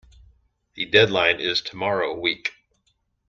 The deadline is tomorrow week